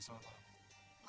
selamat malam pak